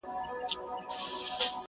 د رستمانو په نکلونو به ملنډي وهي٫